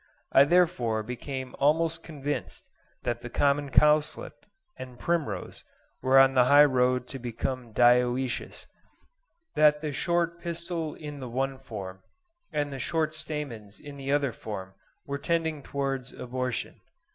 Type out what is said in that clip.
I therefore became almost convinced that the common cowslip and primrose were on the high road to become dioecious;—that the short pistil in the one form, and the short stamens in the other form were tending towards abortion.